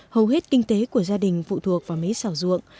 hầu hết kinh tế của gia đình phụ thuộc vào mấy xảo ruộng